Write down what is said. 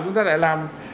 chúng ta lại làm